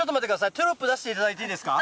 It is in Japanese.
テロップ出していただいていいですか。